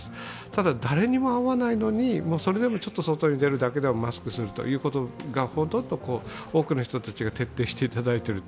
ただ誰にも会わないのに、それでも外に出るだけでもマスクするということがほとんど多くの人たちが徹底していただいている。